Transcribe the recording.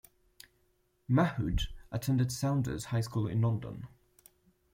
Mahood attended Saunders High School in London.